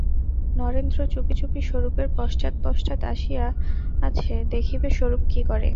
নরেন্দ্র চুপিচুপি স্বরূপের পশ্চাৎ পশ্চাৎ আসিয়াছে, দেখিবে স্বরূপ কী করে।